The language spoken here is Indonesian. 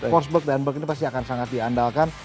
forsberg dan bek ini pasti akan sangat diandalkan